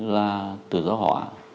là tự do họa